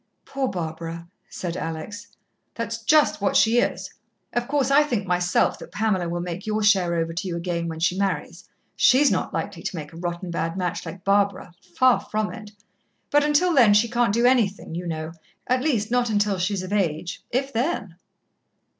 "Poor Barbara," said Alex. "That's just what she is. Of course, I think myself that Pamela will make your share over to you again when she marries. She's not likely to make a rotten bad match like Barbara far from it. But until then she can't do anything, you know at least, not until she's of age, if then."